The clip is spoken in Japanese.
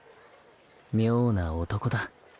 妙な男だ